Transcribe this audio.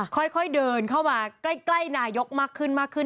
ค่อยเดินเข้ามาใกล้นายกมากขึ้นมากขึ้น